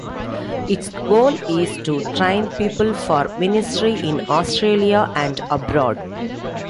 Its goal is to train people for ministry in Australia and abroad.